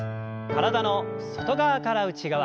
体の外側から内側。